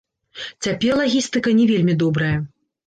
Цяпер лагістыка не вельмі добрая.